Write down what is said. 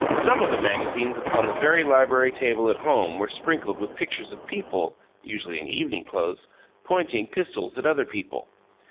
Some of the magazines upon the very library table at home were sprinkled with pictures of people (usually in evening clothes) pointing pistols at other people.